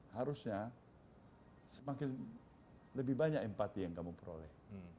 harusnya semakin lebih banyak empati yang kamu peroleh